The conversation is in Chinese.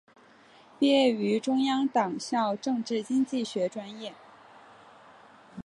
毕业于中央党校政治经济学专业。